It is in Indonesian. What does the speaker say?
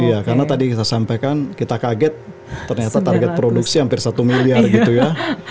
iya karena tadi kita sampaikan kita kaget ternyata target produksi hampir satu miliar gitu ya